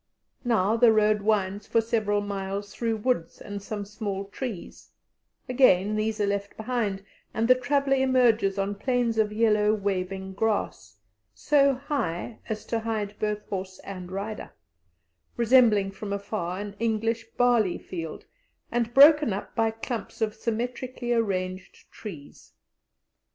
Now the road winds for several miles through woods and some small trees; again, these are left behind, and the traveller emerges on plains of yellow waving grass (so high as to hide both horse and rider), resembling from afar an English barleyfield, and broken up by clumps of symmetrically arranged trees.